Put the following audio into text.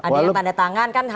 ada yang tanda tangan kan